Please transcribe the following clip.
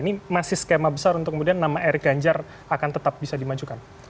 ini masih skema besar untuk kemudian nama erik ganjar akan tetap bisa dimajukan